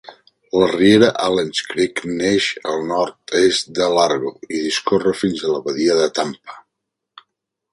La riera Allen's Creek neix al nord-est de Largo i discorre fins a la badia de Tampa.